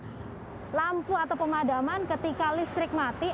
tapi akan ada lampu atau pemadaman ketika listrik mati